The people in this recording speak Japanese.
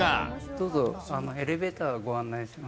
どうぞ、エレベーター、ご案内します。